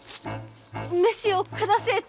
飯を下せえと！